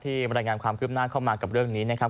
บรรยายงานความคืบหน้าเข้ามากับเรื่องนี้นะครับ